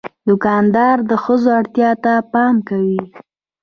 دوکاندار د ښځو اړتیا ته پام کوي.